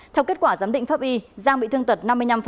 theo kết quả giám định pháp y giang bị thương tật năm mươi năm